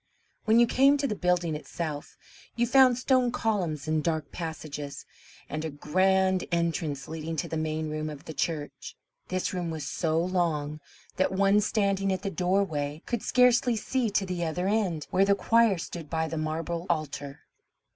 When you came to the building itself, you found stone columns and dark passages, and a grand entrance leading to the main room of the church. This room was so long that one standing at the doorway could scarcely see to the other end, where the choir stood by the marble altar.